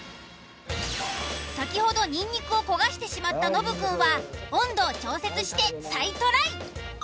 先ほどニンニクを焦がしてしまったノブくんは温度を調節して再トライ。